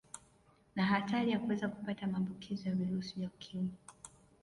Na hatari ya kuweza kupata maambukizo ya virusi vya Ukimwi